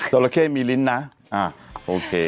ตัวละเข้มีลิ้นนะอ่าโอเค